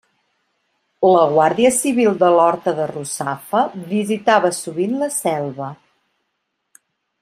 La guàrdia civil de l'horta de Russafa visitava sovint la selva.